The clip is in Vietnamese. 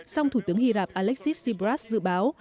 song thủ tướng hy lạp alexis tsipras dự báo